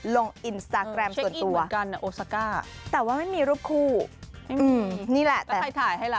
ลงอินสตาแกรมส่วนตัวกันโอซาก้าแต่ว่าไม่มีรูปคู่นี่แหละแต่ใครถ่ายให้ล่ะ